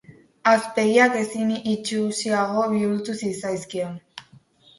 Hazpegiak ezin itsusiago bihurtu zitzaizkion.